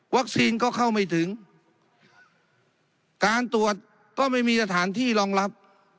ก็เข้าไม่ถึงการตรวจก็ไม่มีสถานที่รองรับ